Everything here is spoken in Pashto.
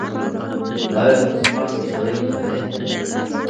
ایا ته سمارټ وسایل کاروې؟